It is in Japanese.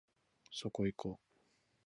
そこいこ